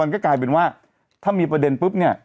ก็กลายเป็นว่าถ้ามีประเด็นปุ๊บเนี่ย